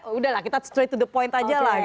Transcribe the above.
sudahlah kita langsung ke poin saja